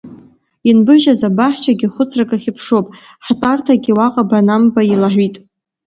Инбыжьыз абаҳчагьы хәыцрак ахьшуп, ҳтәарҭагьы уаҟа банамба илаҳәит.